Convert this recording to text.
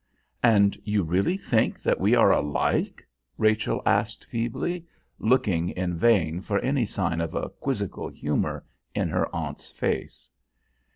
"And you really think that we are alike?" Rachel asked feebly, looking in vain for any sign of a quizzical humour in her aunt's face.